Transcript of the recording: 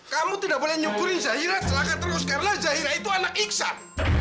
kamu tidak boleh nyukuri cahira celaka terus karena cahira itu anak iksan